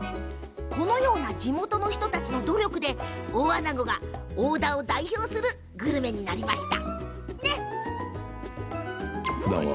地元の人たちの努力で大あなごが、大田を代表するグルメになりました。